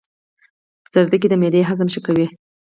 ګازرې د معدې هضم ښه کوي.